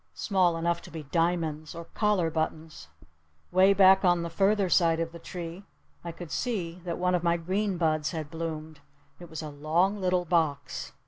Small enough to be diamonds. Or collar buttons. 'Way back on the further side of the tree I could see that one of my green buds had bloomed. It was a long little box.